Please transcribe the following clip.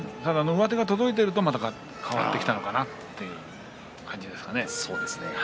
上手が届いていればまた変わってきたのかなという感じですね。